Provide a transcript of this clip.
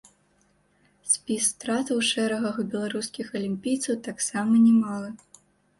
Спіс стратаў у шэрагах беларускіх алімпійцаў таксама немалы.